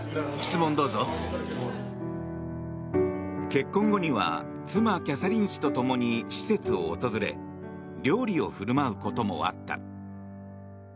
結婚後には妻キャサリン妃と共に施設を訪れ料理を振る舞うこともあった。